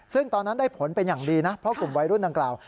ซึ่งตอนนั้นได้ผลเป็นอย่างดีนะเพราะกลุ่มวัยรุ่นดังกล่าว